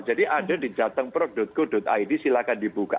jadi ada di jatengproc co id silahkan dibuka